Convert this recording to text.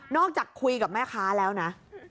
จากคุยกับแม่ค้าแล้วนะ